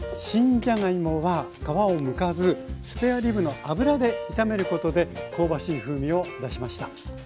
新じゃがいもは皮をむかずスペアリブの脂で炒めることで香ばしい風味を出しました。